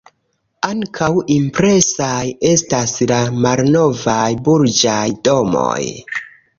Ankaŭ impresaj estas la malnovaj burĝaj domoj.